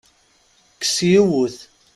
Kkes yiwet!